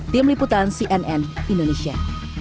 tim liputan cnn indonesia